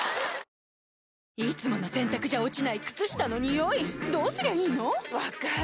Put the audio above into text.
いつもの洗たくじゃ落ちない靴下のニオイどうすりゃいいの⁉分かる。